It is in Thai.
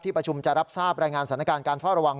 ประชุมจะรับทราบรายงานสถานการณ์การเฝ้าระวัง